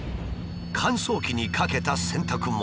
乾燥機にかけた洗濯物。